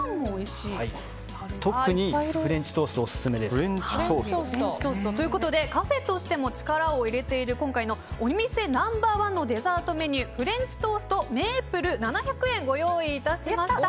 特にフレンチトーストがオススメです。ということでカフェとしても力を入れている今回のお店ナンバー１のデザートメニューフレンチトーストメープル７００円、ご用意いたしました。